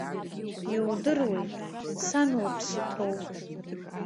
Иудыруеит, сан лыԥсы ҭоуп.